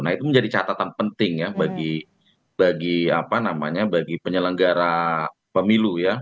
nah itu menjadi catatan penting ya bagi penyelenggara pemilu ya